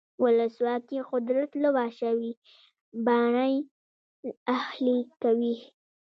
ولسواکي قدرت له وحشي بڼې اهلي کوي.